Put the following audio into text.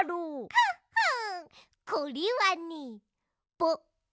フッフンこれはね。